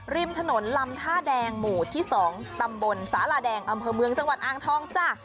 ริมถนนลำท่าแดงหมู่ที่๒ตำบลสาลาแดงอำเภอเมืองจังหวัดอ่างทองจ้ะ